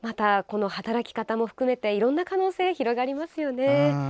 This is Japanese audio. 働き方も含めていろんな可能性が広がりますよね。